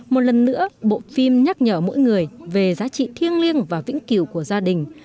một lần nữa bộ phim nhắc nhở mỗi người về giá trị thiêng liêng và vĩnh cửu của gia đình